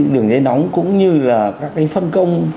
đường dây nóng cũng như là các cái phân công